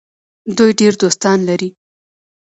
دوی ډیر دوستان لري.